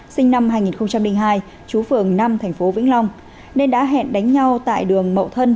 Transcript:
sinh năm hai nghìn hai chú phường năm tp vĩnh long nên đã hẹn đánh nhau tại đường mậu thân